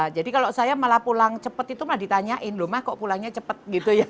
jadi kalau saya malah pulang cepet itu mah ditanyain loh mbak kok pulangnya cepet gitu ya